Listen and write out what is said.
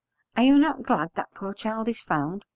are you not glad that poor child is found?'